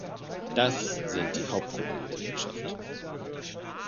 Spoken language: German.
Das sind die Hauptprobleme der Wirtschaft.